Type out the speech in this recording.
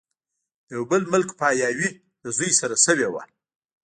د يو بل ملک پاياوي د زوي سره شوې وه